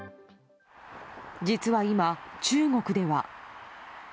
実は今、中国では。